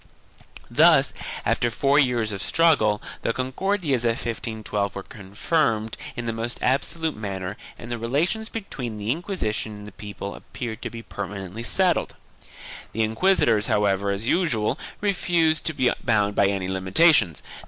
1 Thus, after four years of struggle, the Concordias of 1512 were confirmed in the most absolute manner and the relations between the Inquisition and the people appeared to be permanently settled. The inquisitors however, as usual, refused to be bound by any limitations.